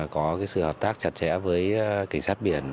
có sự hợp tác chặt chẽ với cảnh sát biển